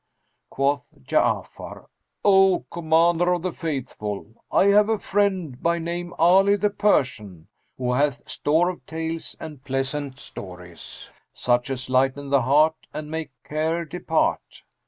Quoth Ja'afar, "O Commander of the Faithful, I have a friend, by name Ali the Persian, who hath store of tales and plea sent stories, such as lighten the heart and make care depart."